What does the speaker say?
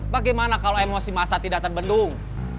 bagaimana kalau emosi masa tidak terbendung